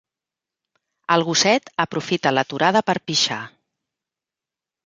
El gosset aprofita l'aturada per pixar.